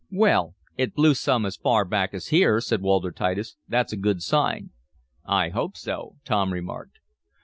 "Well, it blew some as far back as here," said Walter Titus. "That's a good sign." "I hope so," Tom remarked.